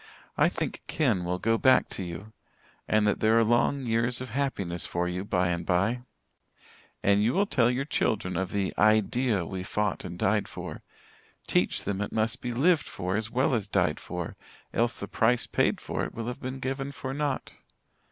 I think Ken will go back to you and that there are long years of happiness for you by and by. And you will tell your children of the Idea we fought and died for teach them it must be lived for as well as died for, else the price paid for it will have been given for nought.